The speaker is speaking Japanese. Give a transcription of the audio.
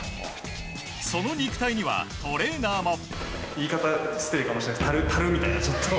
その肉体にはトレーナーも。